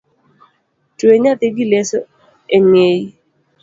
Twe nyathi gi leso eng'eyi.